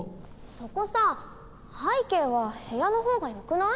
そこさ背景は部屋の方がよくない？